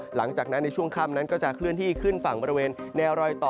หลังจากนั้นในช่วงค่ำนั้นก็จะเคลื่อนที่ขึ้นฝั่งบริเวณแนวรอยต่อ